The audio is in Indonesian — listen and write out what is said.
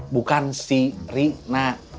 bukan si ri na